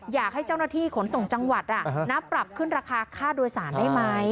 อยากให้เจ้าหน้าที่ขนส่งจังหวัดปรับขึ้นราคาค่าโดยสารได้ไหม